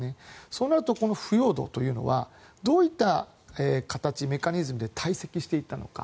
そうなると腐葉土というのはどういった形、メカニズムでたい積していたのか。